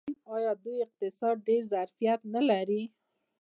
آیا د دوی اقتصاد ډیر ظرفیت نلري؟